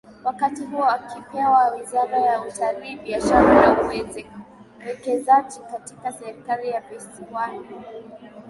Wakati huu akipewa wizara ya Utali Biashara na Uwekezaji katika serikali ya visiwani